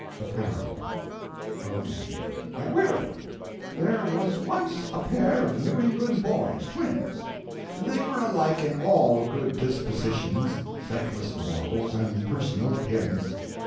A Parable O.M. I will. There was once a pair of New England boys—twins. They were alike in good dispositions, feckless morals, and personal appearance.